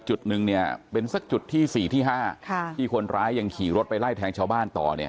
จุดหนึ่งเนี่ยเป็นสักจุดที่๔ที่๕ที่คนร้ายยังขี่รถไปไล่แทงชาวบ้านต่อเนี่ย